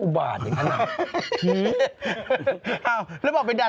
เอ้าเข้าข่าวดีกว่า